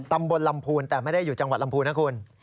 ตำบลลำพูนแต่ไม่ได้อยู่จังหวัดลำพูนนะคุณ